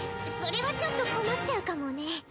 それはちょっと困っちゃうかもね。